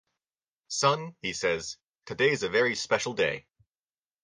'Son,' he says, 'today's a very special day.